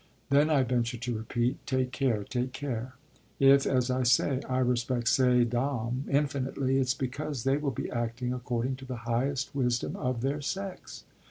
Then I venture to repeat, 'Take care, take care.' If, as I say, I respect ces dames infinitely it's because they will be acting according to the highest wisdom of their sex.